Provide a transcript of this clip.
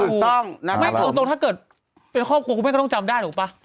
ถูกต้องถ้าเกิดเป็นครอบครัวกูไม่ต้องจำได้ถูกปะ